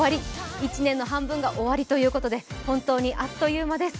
１年の半分が終わりということで、本当にあっという間です。